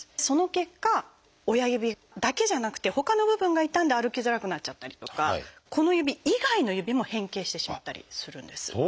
その結果親指だけじゃなくてほかの部分が痛んで歩きづらくなっちゃったりとかこの指以外の指も変形してしまったりするんです。